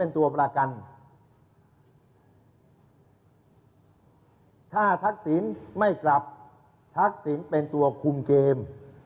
ถ้าทักษิณไม่กลับทักษิณเป็นตัวคุมเกม